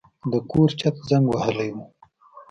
د کور چت زنګ وهلی و.